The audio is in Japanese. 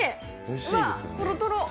うわっ、とろとろ。